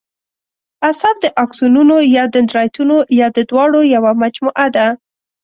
عصب د آکسونونو یا دندرایتونو یا د دواړو یوه مجموعه ده.